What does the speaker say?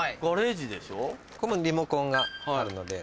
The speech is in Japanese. ここもリモコンがあるので。